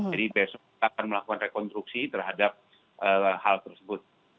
jadi besok kita akan melakukan rekonstruksi terhadap hal tersebut